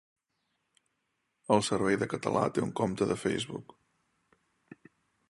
El Servei de Català té un compte de Facebook.